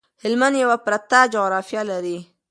هلمند یو پراته جغرافيه لري